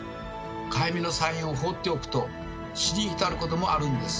かゆみのサインを放っておくと死に至ることもあるんです。